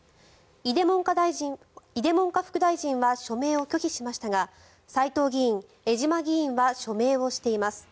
井出文科副大臣は署名を拒否しましたが斎藤議員、江島議員は署名をしています。